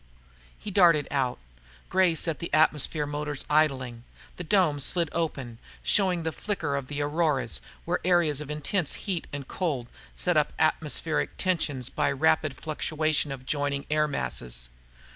He darted out. Gray set the atmosphere motors idling. The dome slid open, showing the flicker of the auroras, where areas of intense heat and cold set up atmospheric tension by rapid fluctuation of adjoining air masses.